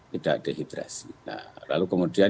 tidak dehydrasi lalu kemudian